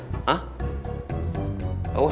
gapapa ya kalau kalian melayang layang